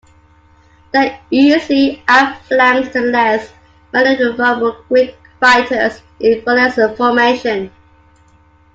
They easily outflanked the less maneauverable Greek fighters in phalanx formation.